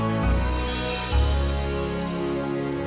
aujourd ini pelayan bunker apa ya sih